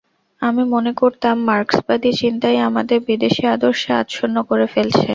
আমি মনে করতাম, মার্ক্সবাদী চিন্তাই আমাদের বিদেশি আদর্শে আচ্ছন্ন করে ফেলছে।